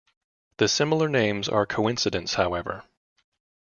The similar names are co-incidence however.